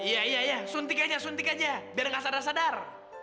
iya iya suntik aja suntik aja biar gak sadar sadar